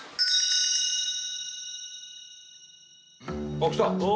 あっきた！